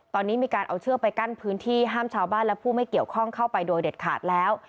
ตอนนี้มีการเอาเชือกไปกั้นพื้นที่ห้ามชาวบ้านและผู้ไม่เกี่ยวข้องเข้าไปโดยเด็ดขาดแล้ว